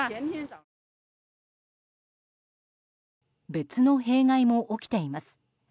別の弊害も起きています。